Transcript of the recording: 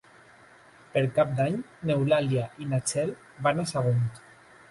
Per Cap d'Any n'Eulàlia i na Txell van a Sagunt.